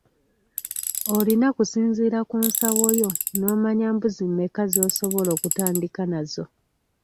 Olina kusinziira ku nsawo yo n'omanya mbuzi mmeka z'osobola okutandika nazo.